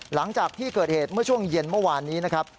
หลังจากที่เกิดเหตุเมื่อช่วงเย็นเมื่อวานนี้นะครับ